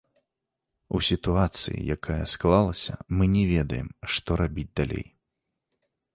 У сітуацыі, якая склалася, мы не ведаем, што рабіць далей.